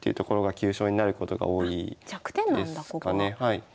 はい。